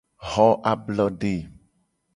Xo ablode.